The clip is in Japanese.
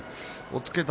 っつけた